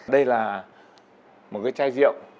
đây là một cái chai rượu